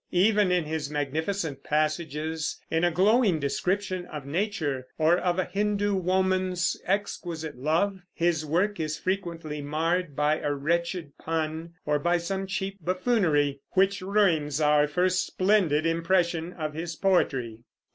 Even in his magnificent passages, in a glowing description of nature or of a Hindoo woman's exquisite love, his work is frequently marred by a wretched pun, or by some cheap buffoonery, which ruins our first splendid impression of his poetry.